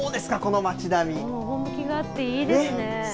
趣があっていいですね。